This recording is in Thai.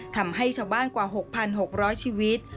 ทำให้ชาวบ้านกว่า๖๖๐๐ชีวิต